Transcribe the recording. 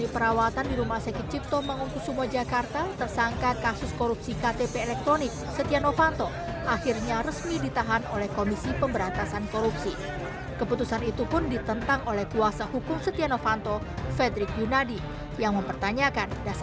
pasca kecelakaan dan menjalani perawatan di rumah sakit cipto mengungkus sumo jakarta